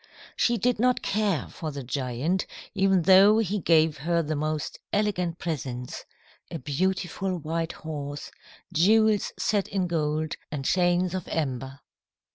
She did not care for the giant, even though he gave her the most elegant presents, a beautiful white horse, jewels set in gold, and chains of amber.